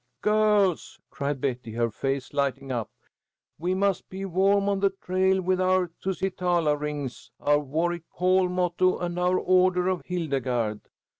"Girls!" cried Betty, her face lighting up, "we must be warm on the trail, with our Tusitala rings, our Warwick Hall motto, and our Order of Hildegarde.